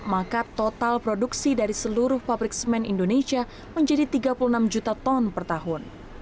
maka total produksi dari seluruh pabrik semen indonesia menjadi tiga puluh enam juta ton per tahun